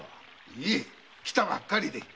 いいえ来たばかりで。